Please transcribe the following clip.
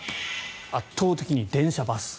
圧倒的に電車・バス。